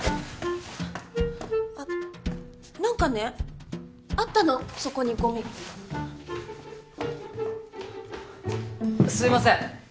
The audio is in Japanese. あっ何かねあったのそこにゴミすいません